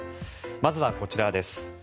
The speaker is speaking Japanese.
まずはこちらです。